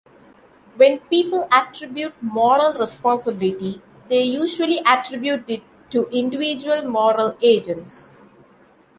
When people attribute moral responsibility, they usually attribute it to individual moral agents.